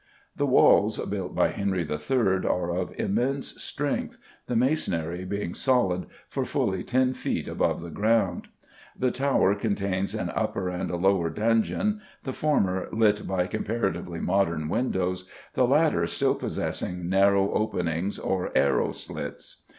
The walls, built by Henry III., are of immense strength, the masonry being solid for fully ten feet above the ground. The Tower contains an upper and a lower dungeon, the former lit by comparatively modern windows, the latter still possessing narrow openings or arrow slits.